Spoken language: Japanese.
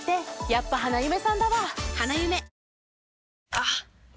あっ！